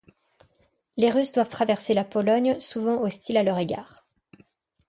Les Russes doivent traverser la Pologne, souvent hostile à leur égard.